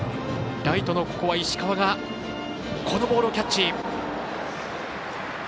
ライトの石川がこのボールをキャッチ。